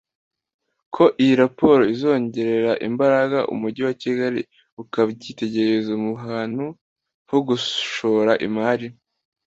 ko iyi raporo izongerera imbaraga umujyi wa Kigali ukaba icyitegererezo mu hantu ho gushora imari